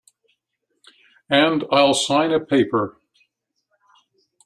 And I'll sign a paper.